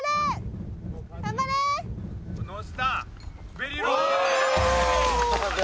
ベリーロール。